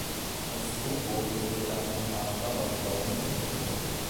Als Logo wählte er einen Adler auf blauem Hintergrund.